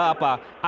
ada banyak catatan